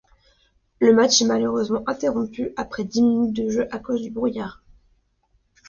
Le match est malheureusement interrompu après dix minutes de jeu à cause du brouillard.